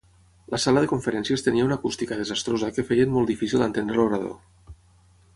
La sala de conferències tenia una acústica desastrosa que feien molt difícil entendre l'orador.